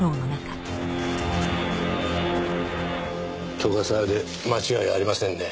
斗ヶ沢で間違いありませんね。